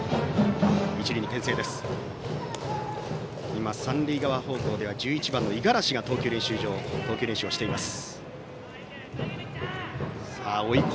今、三塁側方向では１１番の五十嵐が投球練習場で投球練習しています。